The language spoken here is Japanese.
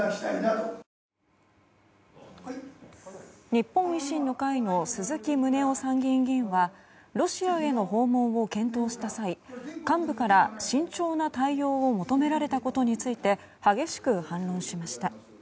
日本維新の会の鈴木宗男参議院議員はロシアへの訪問を検討した際幹部から慎重な対応を求められたことについて激しく反論しました。